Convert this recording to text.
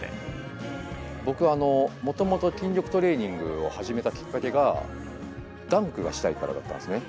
僕もともと筋力トレーニングを始めたきっかけがダンクがしたいからだったんですね。